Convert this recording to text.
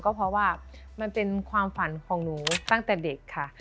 ก็เพราะว่ามันเป็นความฝันของหนูตั้งแต่เด็กค่ะ